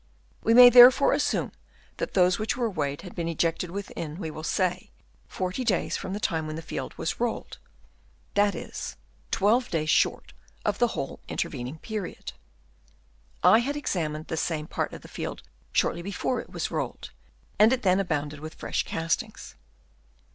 We may therefore assume that those which were weighed had been ejected within, we will say, forty days from the time when the field was rolled, — that is, twelve days short of the whole inter vening period. I had examined the same part of the field shortly before it was rolled, and it then abounded with fresh castings.